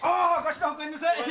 おかえりなさい！